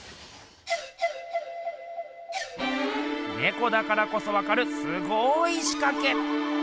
ねこだからこそわかるすごいしかけ！